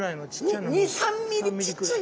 ２３ｍｍちっちゃい。